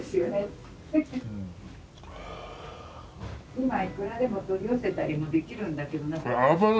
今いくらでも取り寄せたりもできるんだけどなかなか。